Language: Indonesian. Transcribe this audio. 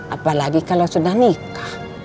apalagi kalau sudah nikah